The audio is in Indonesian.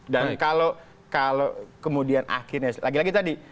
dan kalau kemudian akhirnya lagi lagi tadi